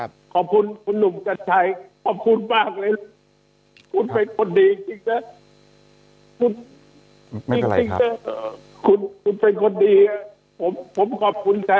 ขอบคุณคุณหนุ่มกัญชัยขอบคุณมากเลยคุณเป็นคนดีจริงนะ